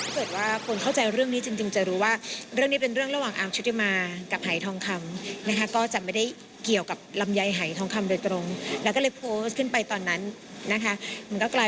มีถามบ้างค่ะเรื่องของสัญญาแล้วก็พูดในฐานะ